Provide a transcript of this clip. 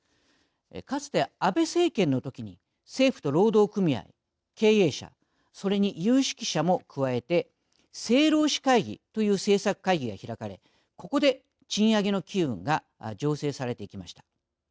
かつて、安倍政権のときに政府と労働組合、経営者それに有識者も加えて政労使会議という政策会議が開かれ、ここで賃上げの機運が醸成されていきました。